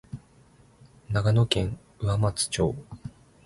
長野県上松町